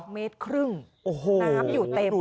เมตรครึ่งน้ำอยู่เต็ม